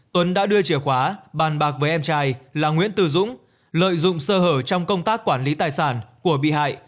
tuấn đã đưa chìa khóa bàn bạc với em trai là nguyễn tư dũng lợi dụng sơ hở trong công tác quản lý tài sản của bị hại